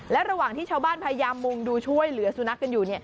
และระหว่างที่ชาวบ้านพยายามมุงดูช่วยเหลือสุนัขกันอยู่